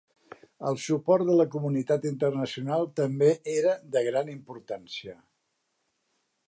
El suport de la comunitat internacional també era de gran importància.